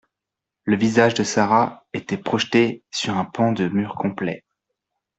Le visage de Sara était projeté sur un pan de mur complet.